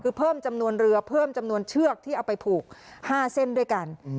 คือเพิ่มจำนวนเรือเพิ่มจำนวนเชือกที่เอาไปผูก๕เส้นด้วยกัน